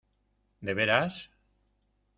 ¿ de veras?